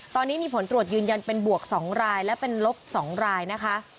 ตอนนี้มีผลตรวจยืนยันเป็นบวก๒รายและเป็นลบ๒รายนะคะ